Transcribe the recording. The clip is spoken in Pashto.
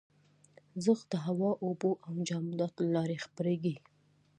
• ږغ د هوا، اوبو او جامداتو له لارې خپرېږي.